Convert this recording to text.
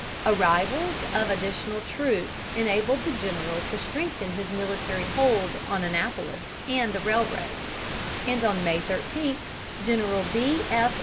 Arrivals of additional troops enabled the General to strengthen his military hold on Annapolis and the railroads; and on May 13 General B.F.